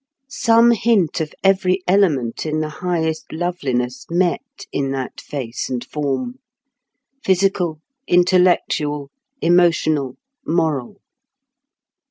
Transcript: Some hint of every element in the highest loveliness met in that face and form—physical, intellectual, emotional, moral.